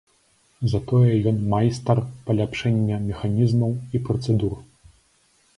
Затое ён майстар паляпшэння механізмаў і працэдур.